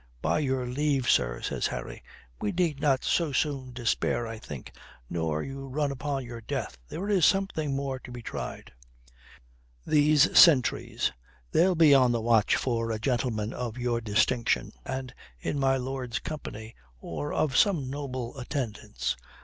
"By your leave, sir," says Harry. "We need not so soon despair, I think, nor you run upon your death. There is something more to be tried. These sentries, they'll be on the watch for a gentleman of your distinction and in my lord's company or of some noble attendance.